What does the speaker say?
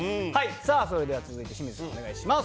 さあそれでは続いて清水さん、お願いします。